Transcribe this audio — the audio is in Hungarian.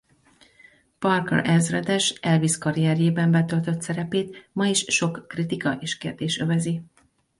Parker ezredes Elvis karrierjében betöltött szerepét ma is sok kritika és kérdés övezi.